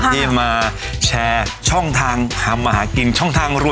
ที่จะมาแชร์ช่องทางทำมาหากินช่องทางรวย